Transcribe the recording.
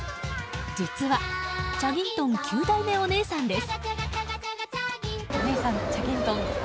実は、「チャギントン」９代目お姉さんです。